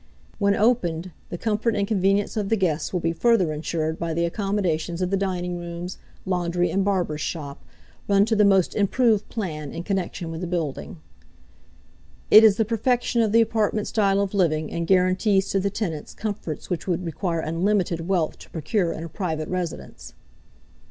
When opened the comfort and convenience of the guests will be further insured by the accommodations of the dining rooms, laundry, and barber's shop, run to the most improved plan, in connection with the building. It is the perfection of the apartment style of living, and guarantees to the tenants comforts which would require unlimited wealth to procure in a private residence.